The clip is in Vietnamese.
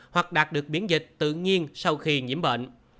hoặc đạt được miễn dịch tự nhiên sau khi nhiễm bệnh